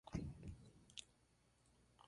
Alrededor de la córnea está la conjuntiva.